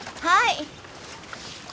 はい。